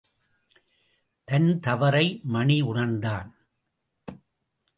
தன் தவறை மணி உணர்ந்தான்.